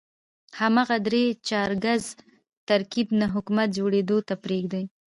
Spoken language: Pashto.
همدغه درې چارکیز ترکیب نه حکومت جوړېدو ته پرېږدي.